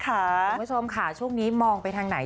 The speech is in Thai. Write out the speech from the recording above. คุณผู้ชมค่ะช่วงนี้มองไปทางไหน